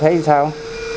thấy khỏe không